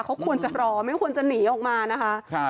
เขาควรจะรอไม่ควรจะหนีออกมานะคะ